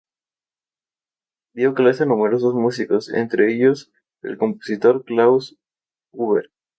Dio clase a numerosos músicos, entre ellos el compositor Klaus Huber.